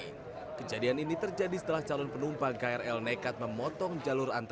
nah armadanya dibanyakin aja lah pak